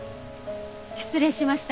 失礼しました。